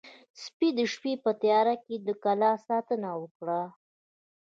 سپي د شپې په تیاره کې د کلا ساتنه وکړه.